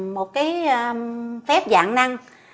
một cái phép dạng năng